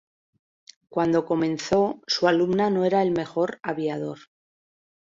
Cuando comenzó, su alumna no era el mejor aviador.